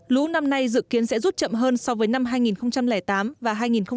lũ năm nay dự kiến sẽ rút chậm hơn so với năm hai nghìn tám và hai nghìn một mươi